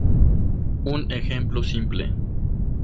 Un Ejemplo simple.